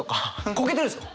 こけてるんですよ！